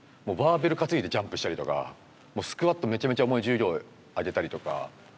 もうバーベル担いでジャンプしたりとかスクワットめちゃめちゃ重い重量上げたりとか。